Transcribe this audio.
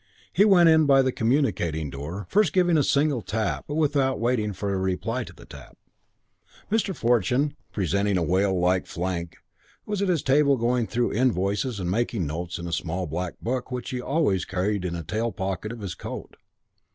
He went in by the communicating door, first giving a single tap but without waiting for a reply to the tap. Mr. Fortune, presenting a whale like flank, was at his table going through invoices and making notes in a small black book which he carried always in a tail pocket of his jacket.